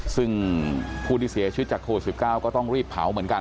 ซึ่งผู้ที่เสียชีวิตจากโควิด๑๙ก็ต้องรีบเผาเหมือนกัน